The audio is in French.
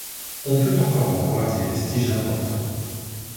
On peut encore en voir des vestiges importants.